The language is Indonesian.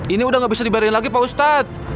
ini udah gak bisa dibayarin lagi pak ustadz